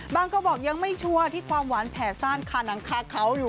เขาบอกยังไม่ชัวร์ที่ความหวานแผ่ซ่านคาหนังคาเขาอยู่